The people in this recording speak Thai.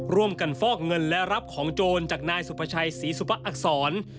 ร่วมกันฟอกเงินและรับของโจรจากนายสุพชัยศรีสุพอักษร